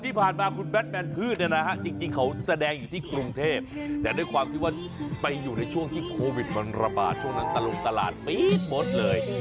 ที่ผ่านมาคุณแบทแมนพืชเนี่ยนะฮะจริงเขาแสดงอยู่ที่กรุงเทพแต่ด้วยความที่ว่าไปอยู่ในช่วงที่โควิดมันระบาดช่วงนั้นตลกตลาดปี๊ดหมดเลย